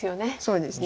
そうですね。